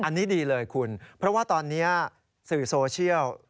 อันนี้ดีเลยคุณเพราะว่าตอนนี้สื่อโซเชียล